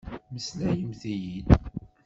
Meslayemt-iyi-d!